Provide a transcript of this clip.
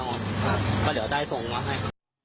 ก็เดี๋ยวได้ทรงมาให้